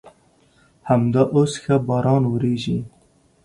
همدا اوس ښه باران ورېږي.